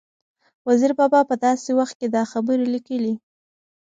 وزیر بابا په داسې وخت کې دا خبرې لیکلي